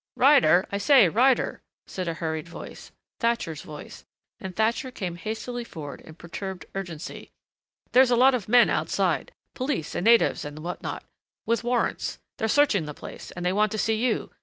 "Ryder I say, Ryder," said a hurried voice Thatcher's voice and Thatcher came hastily forward in perturbed urgency. "There's a lot of men outside police and natives and what not. With warrants. They're searching the place. And they want to see you....